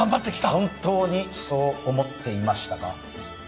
本当にそう思っていましたか？